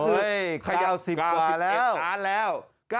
เก้า๑๑ล้านแล้ว